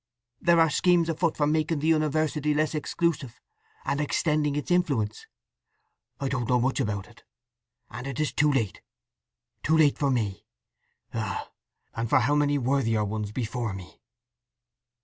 There are schemes afoot for making the university less exclusive, and extending its influence. I don't know much about it. And it is too late, too late for me! Ah—and for how many worthier ones before me!"